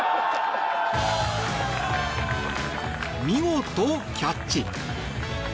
見事、キャッチ。